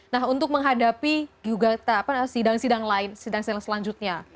nah untuk menghadapi gugatan sidang sidang lain sidang sidang selanjutnya